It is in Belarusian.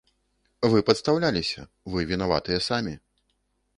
Вы падстаўляліся, вы вінаватыя самі.